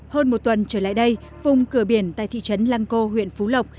hơn một tuần trở lại đây vùng cửa biển tại thị trấn lang co huyện phú lộc